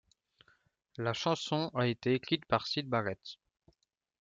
La chanson a été écrite par Syd Barrett.